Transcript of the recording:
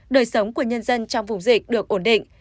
đời sống của nhân dân trong vùng dịch được ổn định